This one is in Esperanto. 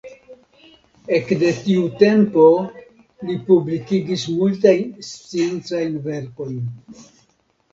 Ekde tiu tempo li publikigis multajn sciencajn verkojn.